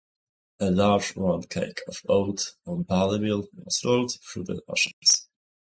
A large round cake of oat or barley meal was rolled through the ashes.